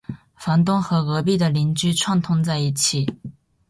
房东和隔壁的邻居串通在一起